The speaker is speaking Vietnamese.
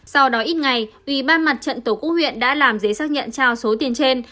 sau đó ít ngày ủy ban mặt trận tổ quốc huyện đã làm giấy xác nhận trao số tiền trên